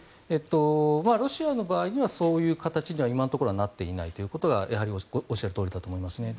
ロシアの場合にはそういう形には今のところなっていないということがやはりおっしゃるとおりだと思いますね。